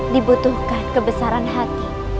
dibutuhkan kebesaran hati